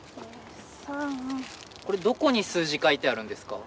これどこに数字書いてあるんですか？